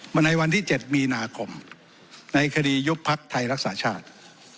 ในวันที่๗มีนาคมในคดียุบพักไทยรักษาชาติ